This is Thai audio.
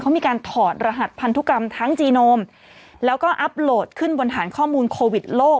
เขามีการถอดรหัสพันธุกรรมทั้งจีโนมแล้วก็อัพโหลดขึ้นบนฐานข้อมูลโควิดโลก